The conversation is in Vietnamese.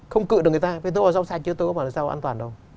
không cự được người ta